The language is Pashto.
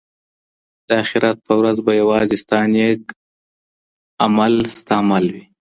د اخیرت په ورځ به یوازې ستا نېک ارمان ستا مل وي.